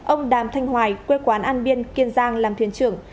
ông đàm thanh hoài quê quán an biên kiên giang làm thuyền trưởng